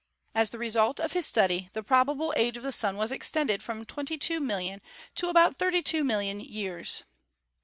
As the result of his study the probable age of the Sun was extended from twenty two million to about thirty two million years.